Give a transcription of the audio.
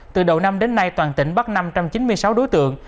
từ đầu năm đến nay toàn tỉnh bắt năm trăm chín mươi sáu đối tượng